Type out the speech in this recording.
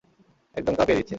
একদম কাঁপিয়ে দিচ্ছে।